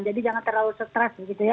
jadi jangan terlalu stres